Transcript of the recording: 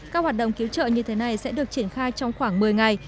các hoạt động cứu trợ như thế này sẽ được triển khai trong khoảng một mươi ngày